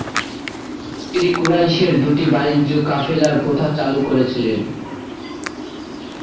তিনি কুরাইশের দুটি বাণিজ্য কাফেলার প্রথা চালু করেছিলেন।